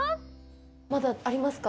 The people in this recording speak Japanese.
まだありますか？